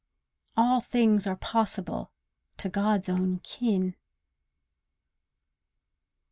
All things are possible to God's own kin.